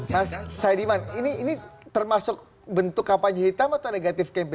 mas saidiman ini termasuk bentuk kampanye hitam atau negatif campai